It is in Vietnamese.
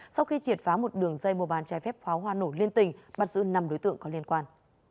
sau khi triệt phá một đường dây mua bán trái phép pháo hoa nổ liên tình bắt giữ năm đối tượng có liên quan